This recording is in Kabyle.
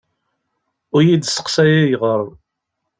Ur iyi-d-sseqsay ayɣer.